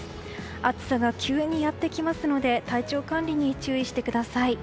暑さが急にやってきますので体調管理に注意してください。